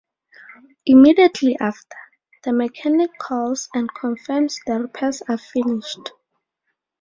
Immediately after, the mechanic calls and confirms the repairs are finished.